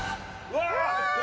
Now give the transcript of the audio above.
うわ！